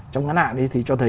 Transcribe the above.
trong ngắn hạng thì cho thấy